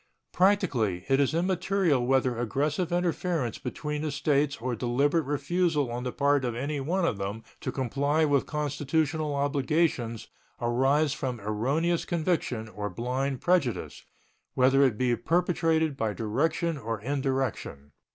Practically it is immaterial whether aggressive interference between the States or deliberate refusal on the part of any one of them to comply with constitutional obligations arise from erroneous conviction or blind prejudice, whether it be perpetrated by direction or indirection.